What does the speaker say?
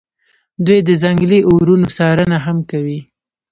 دوی د ځنګلي اورونو څارنه هم کوي